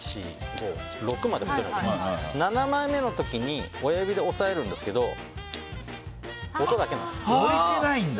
７枚目の時に親指で押さえるんですけど置いてないんだ！